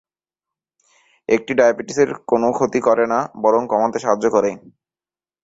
এটি ডায়াবেটিস এর কোন ক্ষতি করেনা বরং কমাতে সাহায্য করে।